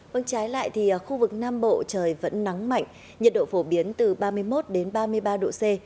vâng trái lại thì khu vực nam bộ trời vẫn nắng mạnh nhiệt độ phổ biến từ ba mươi một đến ba mươi ba độ c